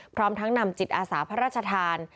พร้อมทั้งนำจิตอาสาพระราชทาน